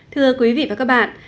thưa quý vị và các bạn